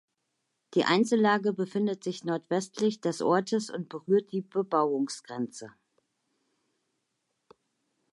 Die Einzellage befindet sich nordwestlich des Ortes und berührt die Bebauungsgrenze.